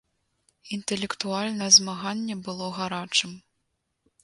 Інтэлектуальнае змаганне было гарачым.